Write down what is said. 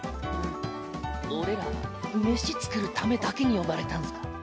俺ら飯作るためだけに呼ばれたんすか？